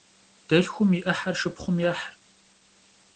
Delhxum yi 'ıher şşıpxhum yêh.